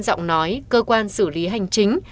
giọng nói cơ quan xử lý hành chính